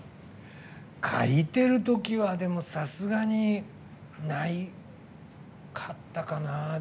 書いてる時はさすがに、なかったかな。